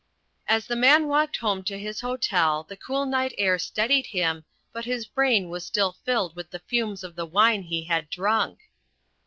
"As The Man walked home to his hotel, the cool night air steadied him, but his brain is still filled with the fumes of the wine he had drunk."